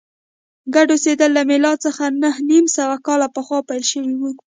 ګډ اوسېدل له میلاد څخه نهه نیم سوه کاله پخوا پیل شوي و